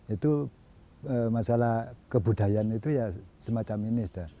itu masalah kebudayaan itu ya semacam ini